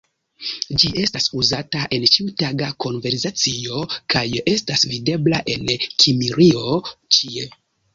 Ĝi estas uzata en ĉiutaga konversacio kaj estas videbla en Kimrio ĉie.